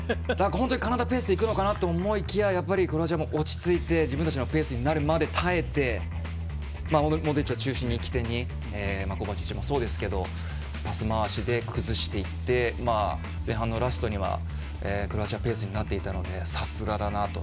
カナダペースでいくのかなと思いきや、クロアチアも落ち着いて自分たちのペースになるまで耐えて、本当にモドリッチを起点にコバチッチもそうですけどパス回しで崩していって前半のラストにはクロアチアペースになっていたのでさすがだなと。